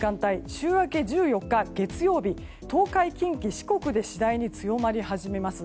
週明け１４日月曜日東海、近畿、四国で次第に強まり始めます。